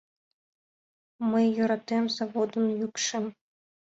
Мый йӧратем заводын йӱкшым